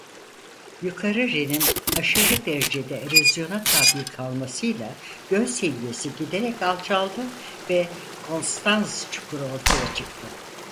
Yukarı Ren'in aşırı derecede erozyona tabii kalmasıyla göl seviyesi giderek alçaldı ve Konstanz çukuru ortaya çıktı.